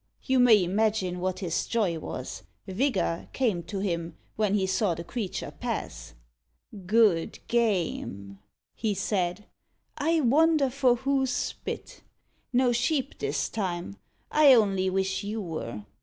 You may imagine what his joy was. Vigour Came to him, when he saw the creature pass. "Good game!" he said; "I wonder for whose spit? No sheep this time I only wish you were.